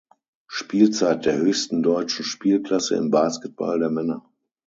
Spielzeit der höchsten deutschen Spielklasse im Basketball der Männer.